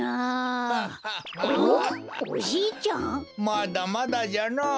まだまだじゃのぉ。